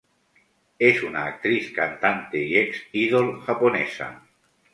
Es una actriz, cantante y ex Idol japonesa.